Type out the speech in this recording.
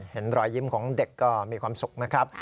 เห็นรอยยิ้มของเด็กก็มีความสุขนะครับ